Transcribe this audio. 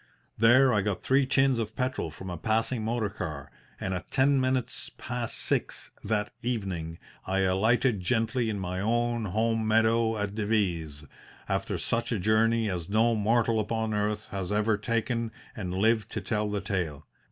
There I got three tins of petrol from a passing motor car, and at ten minutes past six that evening I alighted gently in my own home meadow at Devizes, after such a journey as no mortal upon earth has ever yet taken and lived to tell the tale.